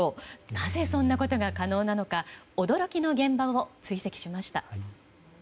なぜそんなことが可能なのか驚きの現場を追跡しました。